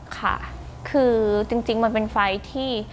ค่ะคือจริงมันเป็นไฟล์ที่